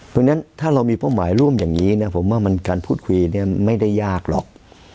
เพราะฉะนั้นถ้าเรามีเป้าหมายร่วมอย่างนี้นะผมว่าการพูดคุยเนี่ยไม่ได้ยากหรอก